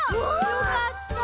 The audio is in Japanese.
よかった！